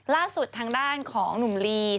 ล่าสุดทางด้านของหนุ่มลี